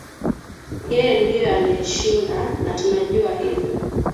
ye ndio aliyeshinda na tunajua hivyo